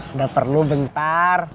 udah perlu bentar